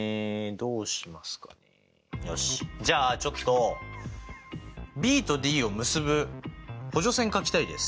よしじゃあちょっとＢとＤを結ぶ補助線描きたいです。